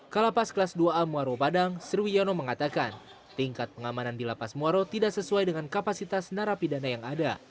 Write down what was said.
kalau pas kelas dua a muarro padang sriwiyono mengatakan tingkat pengamanan di lapas muarro tidak sesuai dengan kapasitas narapidana yang ada